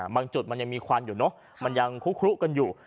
บางจุดมันยังควันยังคุกกันอยู่